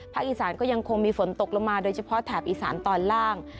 อีสานก็ยังคงมีฝนตกลงมาโดยเฉพาะแถบอีสานตอนล่าง